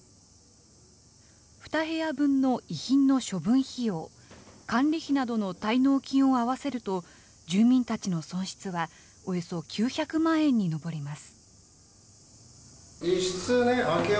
２部屋分の遺品の処分費用、管理費などの滞納金を合わせると、住民たちの損失はおよそ９００万円に上ります。